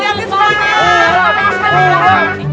jalan jalan jalan